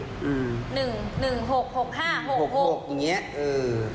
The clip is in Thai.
๑๖๖๕๖๖อย่างนี้